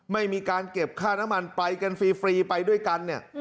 ไม่มีการเก็บค่าน้ำมันไปกันฟรีไปด้วยกันเนี่ย